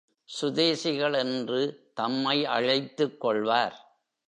சுதேசிகளென்று தம்மை அழைத்துக் கொள்வார்.